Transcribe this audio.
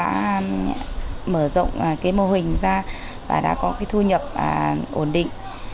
đã mở rộng cái mô hình ra và đã có cái thu nhập ổn định